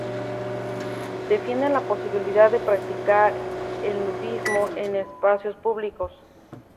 Defienden la posibilidad de practicar el nudismo en espacios públicos.